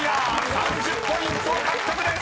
３０ポイント獲得です］